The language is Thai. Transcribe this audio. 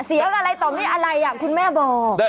เสียงอะไรต่อไม่อะไรคุณแม่บอก